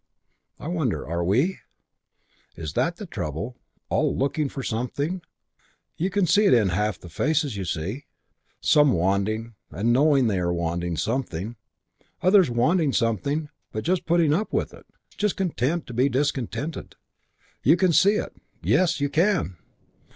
I wonder are we? Is that the trouble? All looking for something.... You can see it in half the faces you see. Some wanting, and knowing they are wanting something. Others wanting something but just putting up with it, just content to be discontented. You can see it. Yes, you can.